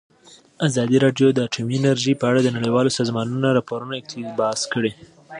ازادي راډیو د اټومي انرژي په اړه د نړیوالو سازمانونو راپورونه اقتباس کړي.